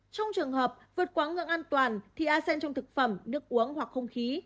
trong trường hợp vượt quá ngưỡng an toàn thì a sen trong thực phẩm nước uống hoặc không khí